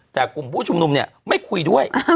แต่กลุ่มผู้ชุมนุมเนี่ยไม่คุยด้วย